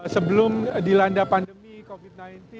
sebelum dilanda pandemi covid sembilan belas